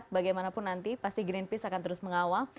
bagaimanapun nanti pasti greenpeace akan terus mengawal